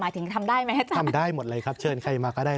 หมายถึงทำได้ไหมอาจารย์ทำได้หมดเลยครับเชิญใครมาก็ได้